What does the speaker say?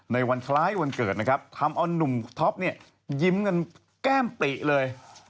ในวันคล้ายวันเกิดนะครับทำเอานุ่มท็อปเนี่ยยิ้มกันแก้มปิเลย